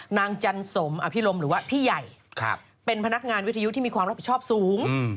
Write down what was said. จันสมอภิรมหรือว่าพี่ใหญ่เป็นพนักงานวิทยุที่มีความรับผิดชอบสูง